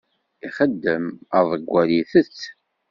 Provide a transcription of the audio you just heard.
Ixeddem aḍeggal itett.